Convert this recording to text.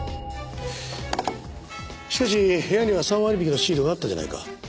しかし部屋には３割引のシールがあったじゃないか。